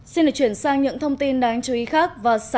xin được chuyển sang những thông tin đáng chú ý khác